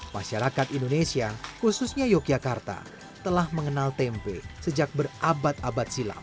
masyarakat indonesia khususnya yogyakarta telah mengenal tempe sejak berabad abad silam